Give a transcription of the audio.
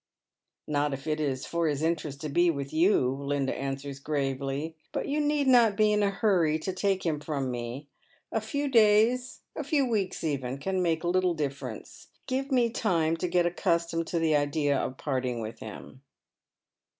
" Not if it is for his interest to be with you," Linda answers gi avely. " But you need not be in a hurry to take him from me. A few days — a few weeks even — can make little difference. Give me time to get accustomed to the idea of parting with him."